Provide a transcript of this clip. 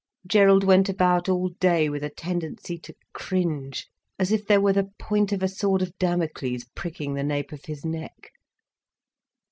Gerald went about all day with a tendency to cringe, as if there were the point of a sword of Damocles pricking the nape of his neck.